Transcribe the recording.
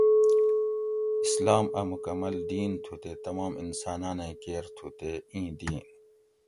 اسلام ا مکمل دین تھو تے تمام انسانانیں کیر تھو تے ایں دین